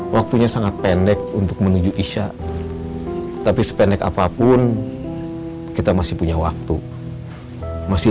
waktunya sangat pendek untuk menuju isya tapi sepenek apapun kita masih punya waktu masih